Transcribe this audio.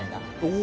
お！